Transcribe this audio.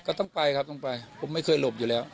ก็ต้องไปครับต้องไปผมไม่เคยหลบอยู่แล้ว